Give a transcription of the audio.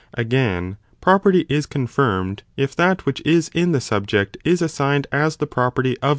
Again, property is confirmed if that which is in the subject is assigned as the property of the sub ) i.